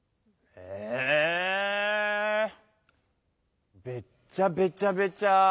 えべっちゃべちゃべちゃ。